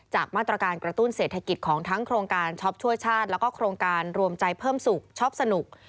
มาตรการกระตุ้นเศรษฐกิจของทั้งโครงการช็อปช่วยชาติแล้วก็โครงการรวมใจเพิ่มสุขช็อปสนุก